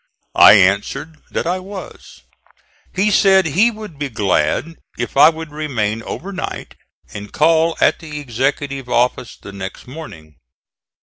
I answered that I was. He said he would be glad if I would remain over night and call at the Executive office the next morning.